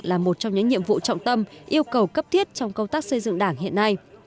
là một trong những nhiệm vụ trọng tâm yêu cầu cấp thiết trong công tác xây dựng đảng hiện nay